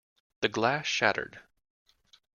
The glass shattered.